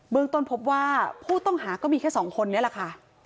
เมืองต้นพบว่าผู้ต้องหาก็มีแค่สองคนนี้แหละค่ะ